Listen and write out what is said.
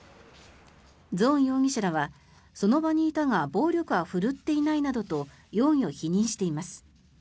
ズオン容疑者らはその場にいたが暴力は振るっていないなどと容疑を否認しています。